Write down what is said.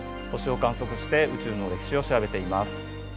星を観測して宇宙の歴史を調べています。